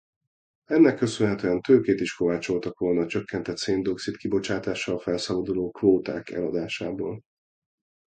Ennek köszönhetően tőkét is kovácsoltak volna a csökkentett széndioxid-kibocsátással felszabaduló kvóták eladásából.